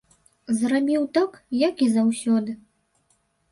Зрабіў так, як і заўсёды.